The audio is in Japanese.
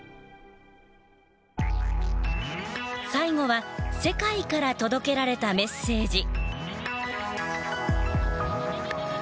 最後は世界から届けられたメッセージ。